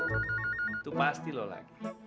gua tau itu pasti lo lagi